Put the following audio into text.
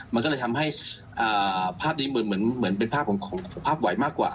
มันก็เลยทำให้ภาพนี้เหมือนเป็นภาพของภาพไหวมากกว่า